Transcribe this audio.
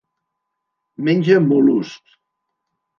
Menja mol·luscs.